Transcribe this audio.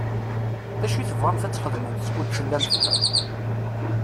D acu i tebɣamt ad t-txedmemt skud tellamt da?